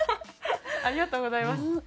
ありがとうございます。